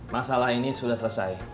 masalah ini sudah selesai